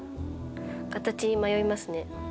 形に迷いますね。